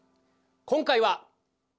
今回は。